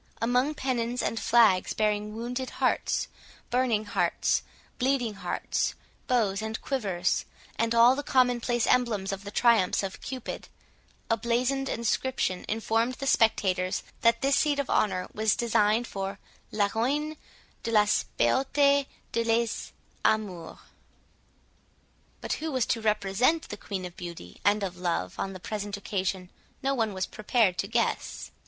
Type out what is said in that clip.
Among pennons and flags bearing wounded hearts, burning hearts, bleeding hearts, bows and quivers, and all the commonplace emblems of the triumphs of Cupid, a blazoned inscription informed the spectators, that this seat of honour was designed for "La Royne de las Beaulte et des Amours". But who was to represent the Queen of Beauty and of Love on the present occasion no one was prepared to guess.